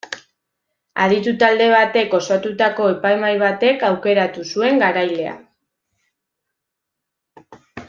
Aditu talde batek osatutako epaimahai batek aukeratu zuen garailea.